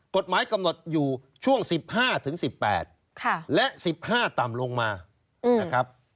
กฎหมายกำหนดอยู่ช่วง๑๕๑๘และ๑๕ต่ำลงมานะครับ